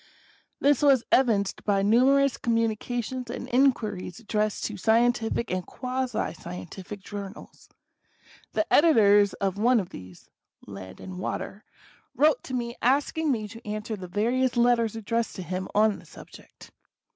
This was evinced by numerous communications and inquiries addressed to scientific and quasi scientific journals. The editor of one of these {Land and Water) wrote to me asking me to answer the various letters addressed to him on the subject.